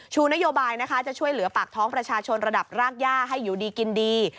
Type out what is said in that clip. นโยบายนะคะจะช่วยเหลือปากท้องประชาชนระดับรากย่าให้อยู่ดีกินดี